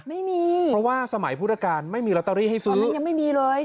ไม่มีเพราะว่าสมัยพุทธกาลไม่มีลอตเตอรี่ให้ซื้อยังไม่มีเลย